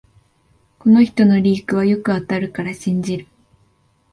この人のリークはよく当たるから信じる